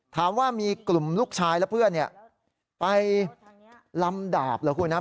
ถามว่ามีกลุ่มลูกชายและเพื่อนไปลำดาบเหรอคุณครับ